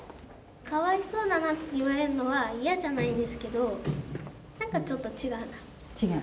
かわいそうだなって言われるのは嫌じゃないですけどなんかちょっと違うなって。